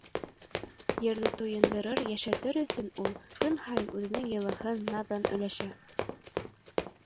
Ерҙе туйындырыр, йәшәтер өсөн ул көн һайын үҙенең йылыһын, наҙын өлөшә.